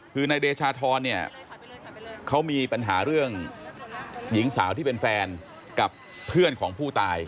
คือนายเดชาธรเนี่ยเขามีปัญหาเรื่องหญิงสาวที่เป็นแฟนกับเพื่อนของผู้ตาย